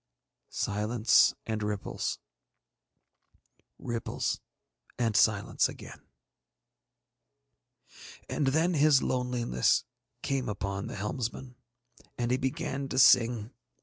Silence and ripples, ripples and silence again. And then his loneliness came upon the helmsman, and he began to sing.